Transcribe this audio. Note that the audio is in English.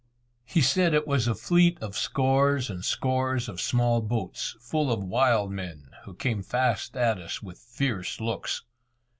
He said it was a fleet of scores and scores of small boats, full of wild men who came fast at us with fierce looks.